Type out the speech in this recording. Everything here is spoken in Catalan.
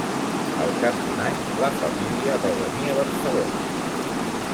Al cap d'un any, la família va venir a Barcelona.